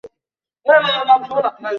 এছাড়াও তিনি ছদ্মনামে পত্রিকায় গল্প ছেপেছেন।